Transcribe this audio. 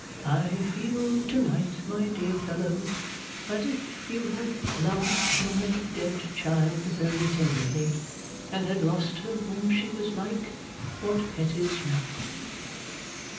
I feel to night, my dear fellow, as if you had loved my dead child very tenderly, and had lost her when she was like what Pet is now.